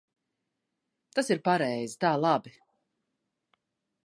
Tas ir pareizi. Tā labi.